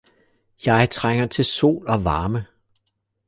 Jeg trænger til sol og varme